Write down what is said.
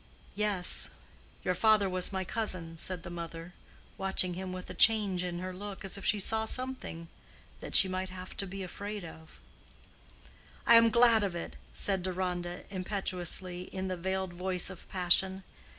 "Yes, your father was my cousin," said the mother, watching him with a change in her look, as if she saw something that she might have to be afraid of. "I am glad of it," said Deronda, impetuously, in the veiled voice of passion.